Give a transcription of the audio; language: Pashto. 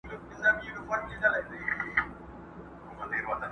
لکه جوړه له مرمرو نازنینه!!